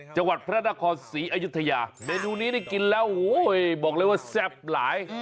พระราชนาคอร์ศรีอยุธยาเมนูนี้ได้กินแล้วบอกเลยว่าแซ่บหลาย